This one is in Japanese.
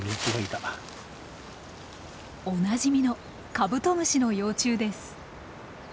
おなじみのカブトムシの幼虫です。